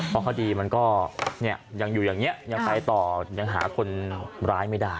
เพราะคดีมันก็ยังอยู่อย่างนี้ยังไปต่อยังหาคนร้ายไม่ได้